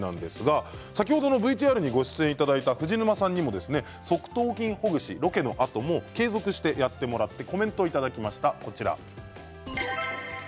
ＶＴＲにご出演いただいた藤沼さんにも側頭筋ほぐしロケのあとにも継続してやっていただきました。